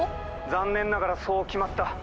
残念ながらそう決まった。